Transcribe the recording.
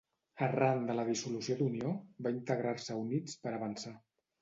Arran de la dissolució d'Unió, va integrar-se a Units per Avançar.